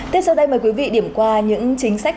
tiếp sau đây mời quý vị điểm qua những chính sách